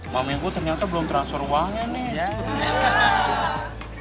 mami gue ternyata belum transfer uangnya nih